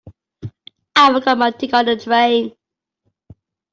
I forgot my ticket on the train.